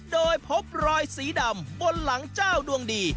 โดยพบรอยสีดำบนหลังเจ้าดวงดี